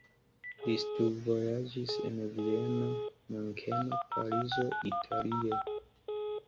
Li studvojaĝis en Vieno, Munkeno, Parizo, Italio.